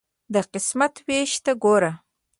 د قسمت ویش ته ګوره.